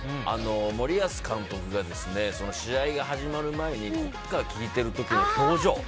森保監督が試合が始まる前に国歌を聴いている時の表情。